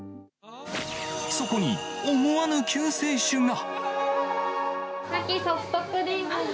そこに思わぬ救世主が。